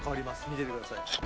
見ててください。